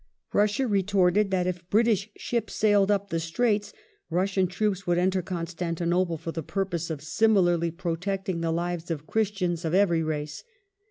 Russia retorted that if British ships sailed up the Stmits Russian troops would enter Constantinople for the purpose of similarly pro tecting the lives of Christians of every race.